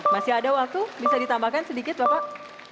masih ada waktu bisa ditambahkan sedikit bapak